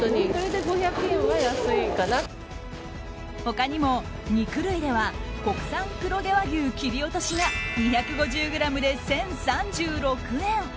他にも肉類では国産黒毛和牛切り落としが２５０ｇで１０３６円。